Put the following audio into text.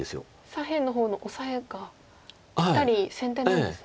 左辺の方のオサエがぴったり先手なんですね。